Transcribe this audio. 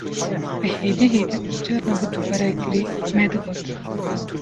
Bi hêdê hêdî û carna bi dubarekirî me digot